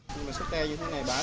nhưng mà sách tay như thế này bán